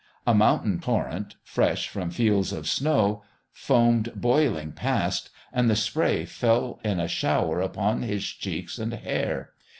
A mountain torrent, fresh from fields of snow, foamed boiling past, and the spray fell in a shower upon his cheeks and hair.